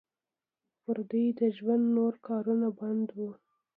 پر دوی د ژوند نور کارونه بند وو.